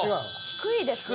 低いですね。